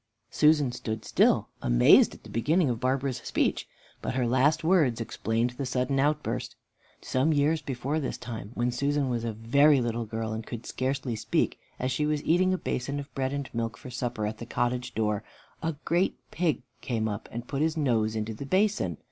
Susan stood still, amazed at the beginning of Barbara's speech, but her last words explained the sudden outburst. Some years before this time, when Susan was a very little girl and could scarcely speak, as she was eating a basin of bread and milk for supper at the cottage door, a great pig came up and put his nose into the basin.